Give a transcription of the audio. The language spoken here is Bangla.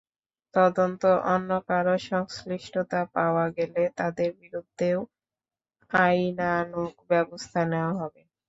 তদন্তে অন্য কারও সংশ্লিষ্টতা পাওয়া গেলে তঁাদের বিরুদ্ধেও আইনানুগ ব্যবস্থা নেওয়া হবে।